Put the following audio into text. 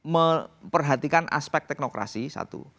memperhatikan aspek teknokrasi satu